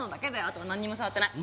あとはなんにも触ってない。